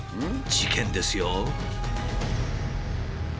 事件ですよ。